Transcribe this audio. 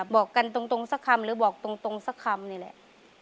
บอกกันตรงสักคำหรือบอกตรงสักคำนี่แหละ